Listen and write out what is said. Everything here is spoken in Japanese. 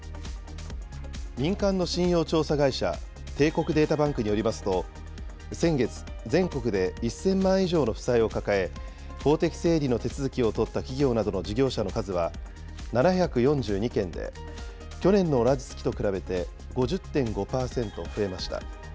民間の信用調査会社、帝国データバンクによりますと、先月、全国で１０００万以上の負債を抱え、法的整理の手続きを取った企業などの事業者の数は７４２件で、去年の同じ月と比べて５０．５％増えました。